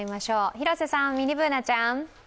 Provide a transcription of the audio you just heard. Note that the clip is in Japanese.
広瀬さん、ミニＢｏｏｎａちゃん。